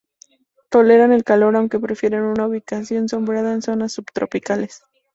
Toleran el calor aunque prefieren una ubicación sombreada en zonas subtropicales.